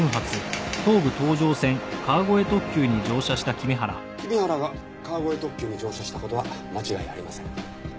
君原が川越特急に乗車した事は間違いありません。